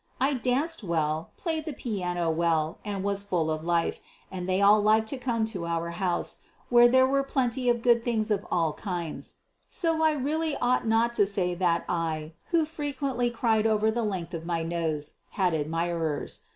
I danced well, played the piano well, and was full of life, and they all liked to come in our house, where there were plenty of good things of all kinds. So I really ought not to say that I, who frequently cried over the length of my nose, had admirers.